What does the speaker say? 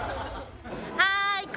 はい！